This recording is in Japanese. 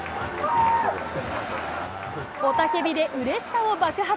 雄たけびでうれしさを爆発。